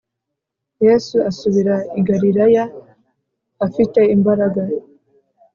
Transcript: Yesu asubira i Galilaya afite imbaraga